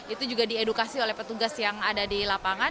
itu juga diedukasi oleh petugas yang ada di lapangan